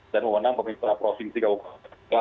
dan wu bumenang pemerintah provinsi kaupaka